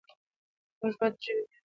موږ باید د ژبې معیار لوړ کړو.